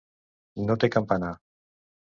No té campanar.